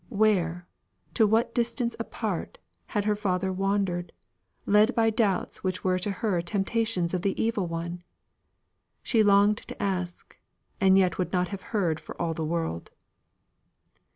Where, to what distance apart, had her father wandered, led by doubts which were to her temptations of the Evil One? She longed to ask, and yet would not have heard for all the world.